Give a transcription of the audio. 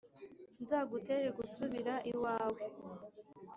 nzagutere gusubira iwawe,